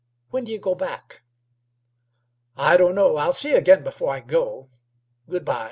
"When d' ye go back?" "I don't know. I'll see y' again before I go. Good by."